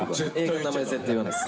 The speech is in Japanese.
名前、絶対言わないです。